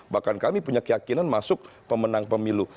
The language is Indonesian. bahkan kami punya keyakinan masuk pemenang pemilu